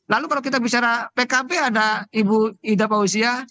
lalu kalau kita bicara pkb ada ibu ida fauzia